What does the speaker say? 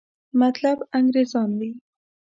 مطلب انګریزان وي.